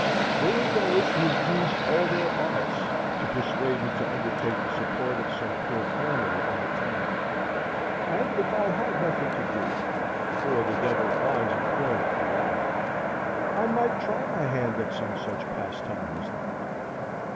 There are those who have used all their arts to persuade me to undertake the support of some poor family in the town; and if I had nothing to do,—for the devil finds employment for the idle,—I might try my hand at some such pastime as that.